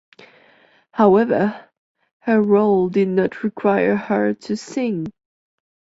However, her role did not require her to sing.